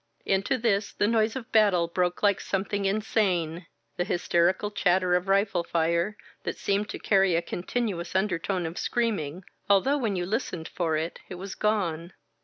Into this the noise of battle broke like something insane. The hysterical chatter of rifle fire, that seemed to carry a continuous undertone of screaming — although when you listened for it it was gone.